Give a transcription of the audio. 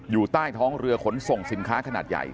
ใต้ท้องเรือขนส่งสินค้าขนาดใหญ่